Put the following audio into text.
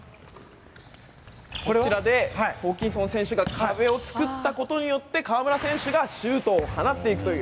こちらでホーキンソン選手が壁を作ったことによって河村選手がシュートを放っていくという。